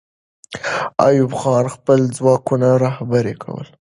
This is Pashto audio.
ایوب خان خپل ځواکونه رهبري کوله.